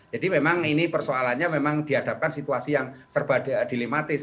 jadi memang ini persoalannya memang dihadapkan situasi yang serba dilematis